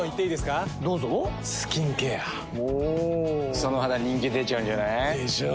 その肌人気出ちゃうんじゃない？でしょう。